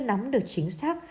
không đánh đắm được chính xác